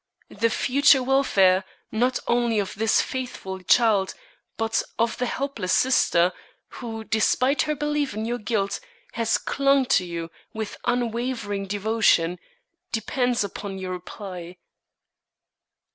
The future welfare, not only of this faithful child but of the helpless sister, who, despite her belief in your guilt, has clung to you with unwavering devotion, depends upon your reply."